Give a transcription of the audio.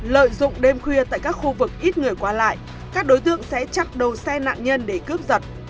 lợi dụng đêm khuya tại các khu vực ít người qua lại các đối tượng sẽ chặn đầu xe nạn nhân để cướp giật